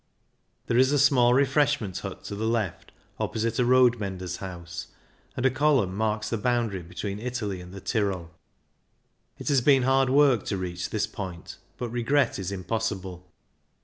There is a small refreshment hut to the left, opposite a road menders' house, and a column marks the boundary between Italy and the Tyrol. It has been hard work to reach this point, but regret is impossible.